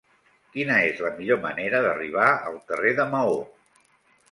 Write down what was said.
Quina és la millor manera d'arribar al carrer de Maó?